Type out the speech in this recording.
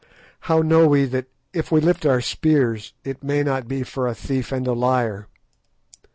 How know we that if we lift our spears it may not be for a thief and a liar?